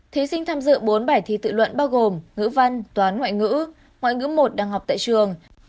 thí sinh tham dự bốn bài thi tự luận bao gồm ngữ văn toán ngoại ngữ ngoại ngữ một đang học tại trường